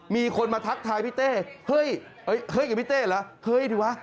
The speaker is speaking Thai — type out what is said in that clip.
มีคนมาทักทายพี่เต้เฮ้ยกับพี่เต้เหรอเฮ้ยดีวะ